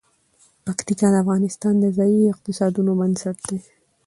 پکتیکا د افغانستان د ځایي اقتصادونو بنسټ دی.